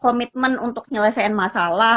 komitmen untuk nyelesaikan masalah